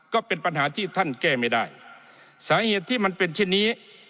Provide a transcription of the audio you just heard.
ก็เป็นปัญหาที่ท่านแก้ไม่ได้สาเหตุที่มันเป็นเช่นนี้